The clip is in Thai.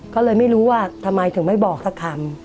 ก็เลยไม่รู้ว่าทำไมถึงไม่บอกสักคำ